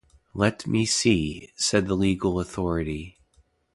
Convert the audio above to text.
‘Let me see,’ said the legal authority.